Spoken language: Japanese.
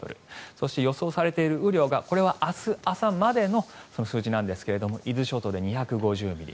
そして予想されている雨量がこれは明日朝までの数字なんですが伊豆諸島で２５０ミリ